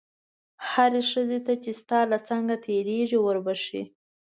هرې ښځې ته چې ستا له څنګه تېرېږي وربښې.